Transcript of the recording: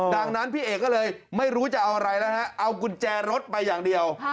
ดังนั้นพี่เอกก็เลยไม่รู้จะเอาอะไรแล้วฮะเอากุญแจรถไปอย่างเดียว